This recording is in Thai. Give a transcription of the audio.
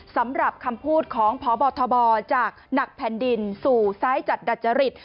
สำหรับคำพูดของพบทบจากหนักแผ่นดินสู่ซ้ายจัดดัจจริต